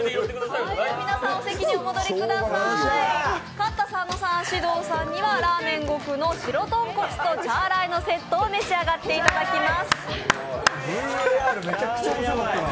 勝った佐野さん、獅童さんにはらーめん極の白とんこつとチャーライのセットを召し上がっていただきます。